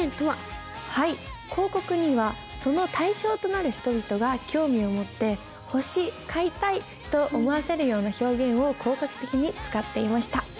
はい広告にはその対象となる人々が興味を持って「欲しい！買いたい！」と思わせるような表現を効果的に使っていました。